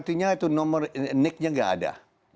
artinya itu nomor nicknya nggak ada